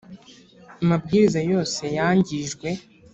amabwiriza yose yangijwe.